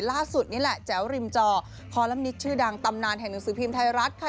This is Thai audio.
ล่าสุดนี่แหละแจ๋วริมจอคอลัมนิกชื่อดังตำนานแห่งหนังสือพิมพ์ไทยรัฐค่ะ